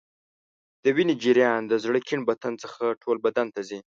د وینې جریان د زړه کیڼ بطن څخه ټول بدن ته ځي.